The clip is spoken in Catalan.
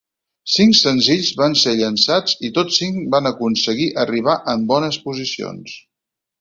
Cinc senzills van ser llançats i tots cinc van aconseguir arribar en bones posicions.